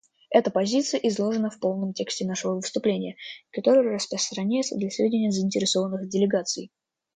Эта позиция изложена в полном тексте нашего выступления, который распространяется для сведения заинтересованных делегаций.